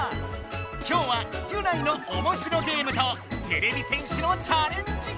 今日はギュナイのおもしろゲームとてれび戦士のチャレンジ企画！